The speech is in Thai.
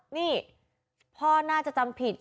นี่พ่อน่าจะจำผิด